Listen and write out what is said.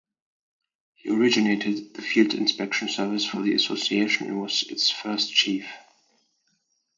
He originated the field-inspection service for the association and was its first chief.